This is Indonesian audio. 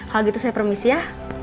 kalau gitu saya permis ya